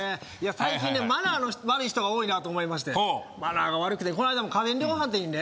最近ねマナーの悪い人が多いなと思いましてほうマナーが悪くてこの間も家電量販店にね